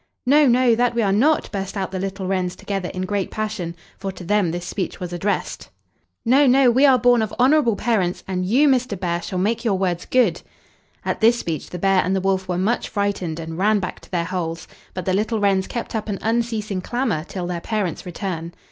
"No, no, that we are not!" burst out the little wrens together in a great passion, for to them this speech was addressed. "No, no, we are born of honorable parents, and you, Mr. Bear, shall make your words good!" At this speech the bear and the wolf were much frightened, and ran back to their holes; but the little wrens kept up an unceasing, clamor till their parents' return.